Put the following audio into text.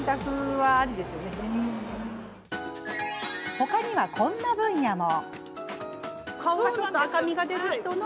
他には、こんな分野も。